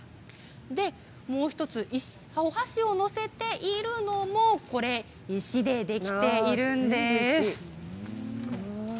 もう１つ、お箸を載せているのも石でできています。